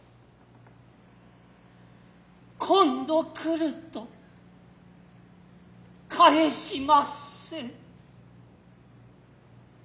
今度来ると帰しません。